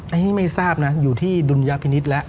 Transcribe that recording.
อันนี้ไม่ทราบนะอยู่ที่ดุลยพินิษฐ์แล้ว